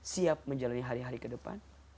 siap menjalani hari hari ke depan